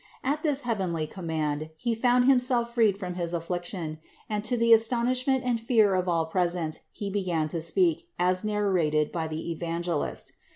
At this heavenly command he found himself freed from his affliction, and, to the as tonishment and fear of all present, he began to speak, as narrated by the Evangelist.